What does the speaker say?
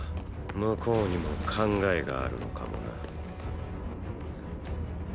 向こうにも「考え」があるのかもな。